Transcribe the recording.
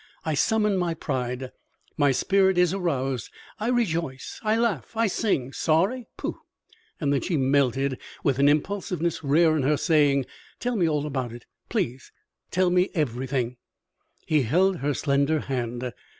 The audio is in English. "I summon my pride. My spirit is aroused. I rejoice; I laugh; I sing! Sorry? Pooh!" Then she melted with an impulsiveness rare in her, saying, "Tell me all about it, please; tell me everything." He held her slender hand.